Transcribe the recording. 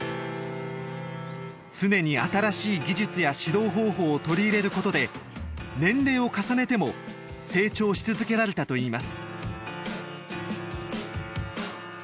常に新しい技術や指導方法を取り入れることで年齢を重ねても成長し続けられたといいます。